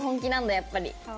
やっぱり。